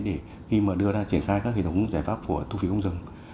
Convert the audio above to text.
để khi mà đưa ra triển khai các hệ thống giải pháp của thu phí công dân